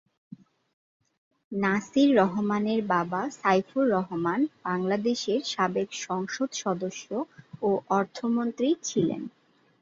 নাসির রহমানের বাবা সাইফুর রহমান, বাংলাদেশের সাবেক সংসদ সদস্য ও অর্থমন্ত্রী ছিলেন।